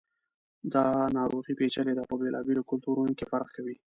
دا ناروغي پیچلي ده، په بېلابېلو کلتورونو کې فرق کوي.